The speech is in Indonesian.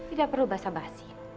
tidak perlu basa basi